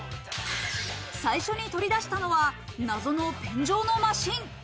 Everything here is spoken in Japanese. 最初に取り出したのは謎のペン状のマシン。